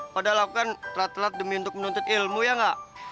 pada lakukan telat telat demi untuk menuntut ilmu ya nggak